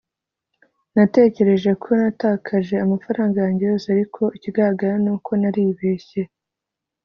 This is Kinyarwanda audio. natekereje ko natakaje amafaranga yanjye yose, ariko ikigaragara nuko naribeshye